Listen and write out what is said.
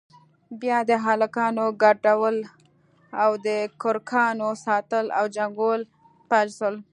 بيا د هلکانو گډول او د کرکانو ساتل او جنگول پيل سول.